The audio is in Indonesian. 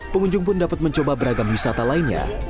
pengunjung pun dapat mencoba beragam wisata lainnya